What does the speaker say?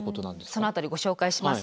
その辺りご紹介します。